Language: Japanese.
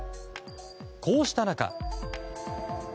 こうした中。